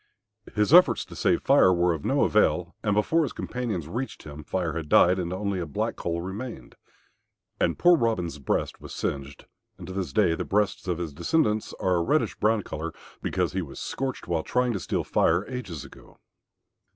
His efforts to save Fire were of no avail, and before his companions reached him Fire had died, and only a black coal remained. And poor Robin's breast was singed, and to this day the breasts of his descendants are a reddish brown colour because he was scorched while trying to steal Fire ages ago.